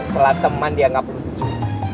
setelah teman dianggap lucu